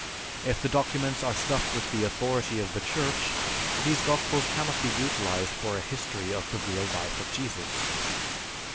If the documents are stuffed with the authority of the Church, these Gospels cannot be utilized for a history of the real life of Jesus.